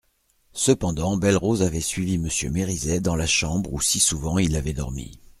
Cependant Belle-Rose avait suivi Monsieur Mériset dans la chambre où si souvent il avait dormi.